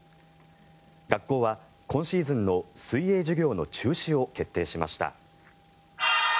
学校は、今シーズンの水泳授業の中止を決定しました。